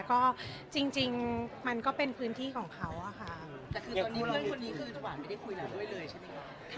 ก็จริงจริงมันก็เป็นพื้นที่ของเขาอ่ะค่ะแต่คือตอนนี้เพื่อนคนนี้คือ